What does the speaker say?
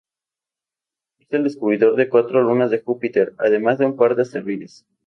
Es el descubridor de cuatro lunas de Júpiter, además de un par de asteroides.